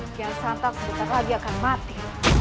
kian santak sebentar lagi akan mati